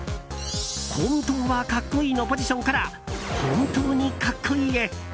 本当は格好いいのポジションから本当に格好いいへ。